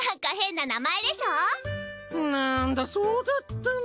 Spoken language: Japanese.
なんだそうだったの？